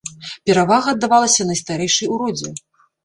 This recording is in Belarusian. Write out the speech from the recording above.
Перавага аддавалася найстарэйшай у родзе.